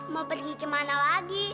mau pergi kemana lagi